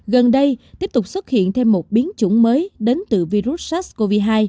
gần đây tiếp tục xuất hiện thêm một biến chủng mới đến từ virus sars cov hai